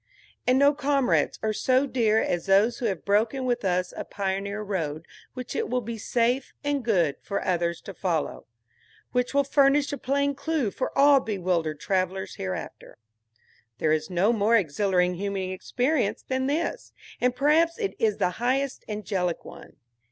And no comrades are so dear as those who have broken with us a pioneer road which it will be safe and good for others to follow; which will furnish a plain clue for all bewildered travelers hereafter. There is no more exhilarating human experience than this, and perhaps it is the highest angelic one.